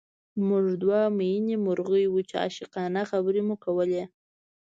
موږ دوه مئینې مرغۍ وو چې عاشقانه خبرې مو کولې